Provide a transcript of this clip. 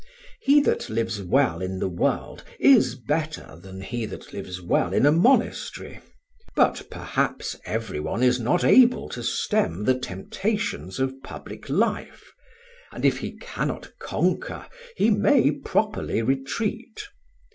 He that lives well in the world is better than he that lives well in a monastery. But perhaps everyone is not able to stem the temptations of public life, and if he cannot conquer he may properly retreat.